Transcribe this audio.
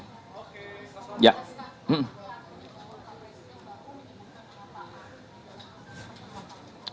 apakah itu membuat anda merasa sedih